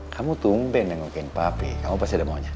kamu tumpen yang ngelukain papi kamu pasti ada maunya